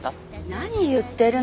何言ってるの！